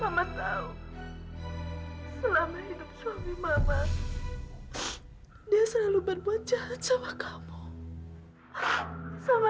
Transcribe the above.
hai mama tahu selama hidup suami mama dia selalu berbuat jahat sama kamu sama